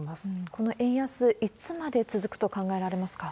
この円安、いつまで続くと考えられますか？